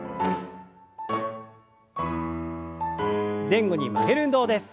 前後に曲げる運動です。